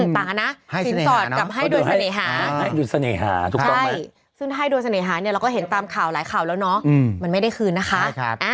ตานะสินสอดกลับให้โดยเสน่หาซึ่งให้โดยเสน่หาเนี่ยเราก็เห็นตามข่าวหลายข่าวแล้วเนาะมันไม่ได้คืนนะคะ